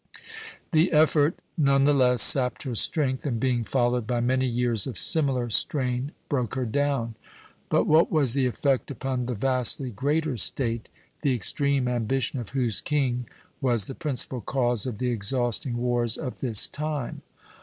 The effort none the less sapped her strength, and being followed by many years of similar strain broke her down. But what was the effect upon the vastly greater state, the extreme ambition of whose king was the principal cause of the exhausting wars of this time?